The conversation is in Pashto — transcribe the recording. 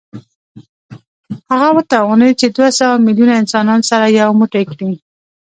هغه وتوانېد چې دوه سوه میلیونه انسانان سره یو موټی کړي